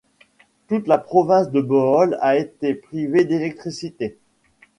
Toute la province de Bohol a été privée d'électricité.